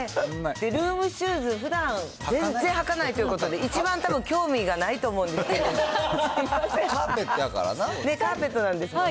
ルームシューズ、ふだん、全然履かないということで、一番たぶん、興味がないと思うんですカーペットやからな。